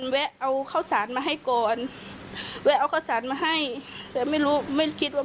แวะเอาข้าวสารมาให้ก่อนแวะเอาข้าวสารมาให้แต่ไม่รู้ไม่คิดว่า